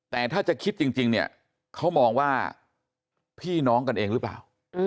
แต่ถ้าจะคิดจริงเนี่ยเขามองว่าพี่น้องกันเองหรือเปล่า